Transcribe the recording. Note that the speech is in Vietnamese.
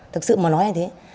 thực sự mà nói là thế